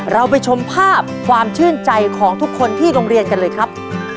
เราไปชมภาพความชื่นใจของทุกคนที่โรงเรียนกันเลยครับ